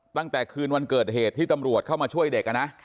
ตั้งแต่คืนวันเกิดเหตุที่ตำรวจเข้ามาช่วยเด็กนะ